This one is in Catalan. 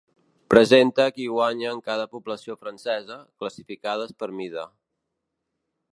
Presenta qui guanya en cada població francesa, classificades per mida.